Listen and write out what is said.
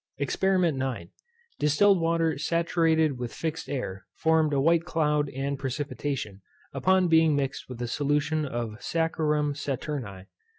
EXPERIMENT IX. Distilled water saturated with fixed air formed a white cloud and precipitation, upon being mixed with a solution of saccharum saturni.